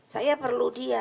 saya perlu dia